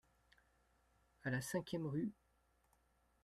À la cinquième rue.